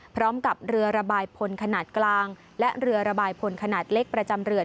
พร้อมกับเรือระบายพลขนาดกลางและเรือระบายพลขนาดเล็กประจำเรือน